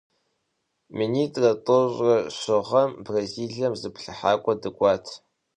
Минитӏрэ тӏощӏрэ щы гъэм Бразилием зыплъыхьакӏуэ дыкӏуат.